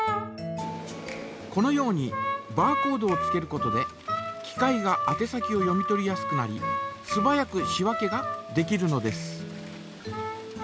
このようにバーコードをつけることで機械があて先を読み取りやすくなりすばやく仕分けができるのです。